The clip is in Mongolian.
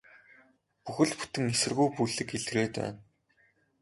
Бүхэл бүтэн эсэргүү бүлэг илрээд байна.